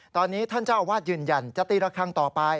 ตอนนี้ท่านเจ้าอาวาสยืนยันจะตีระคังต่อไป